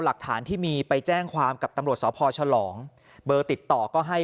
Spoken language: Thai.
หลักฐานที่มีไปแจ้งความกับตำรวจสพฉลองเบอร์ติดต่อก็ให้